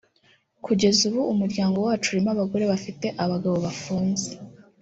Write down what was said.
kugeza ubu umuryango wacu urimo abagore bafite abagabo bafunze